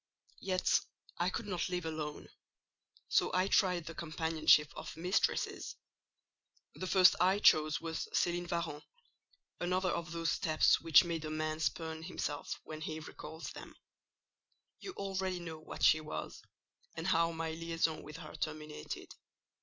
"Yet I could not live alone; so I tried the companionship of mistresses. The first I chose was Céline Varens—another of those steps which make a man spurn himself when he recalls them. You already know what she was, and how my liaison with her terminated.